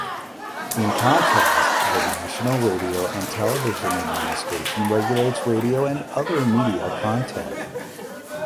In contrast the National Radio and Television Administration regulates radio and other media content.